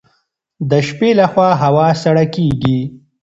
د شپې لخوا هوا سړه کیږي.